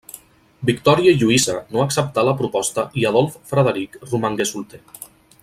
Victòria Lluïsa no acceptà la proposta i Adolf Frederic romangué solter.